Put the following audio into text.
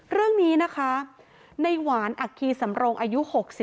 เรื่องนี้นะคะในหวานอัคคีสำรงอายุ๖๒